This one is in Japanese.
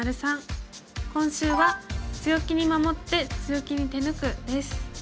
今週は「強気に守って強気に手抜く」です。